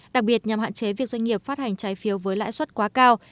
đặc biệt nhằm hạn chế việc doanh nghiệp phát hành trái phiếu với lãi suất quá cao